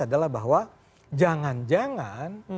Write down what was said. adalah bahwa jangan jangan